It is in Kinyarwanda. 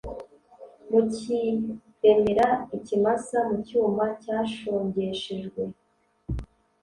mukiremera ikimasa mu cyuma cyashongeshejwe: